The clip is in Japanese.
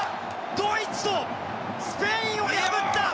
ドイツとスペインを破った！